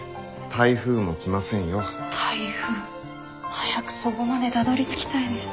台風早くそごまでたどりつきたいです。